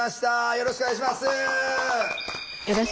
よろしくお願いします。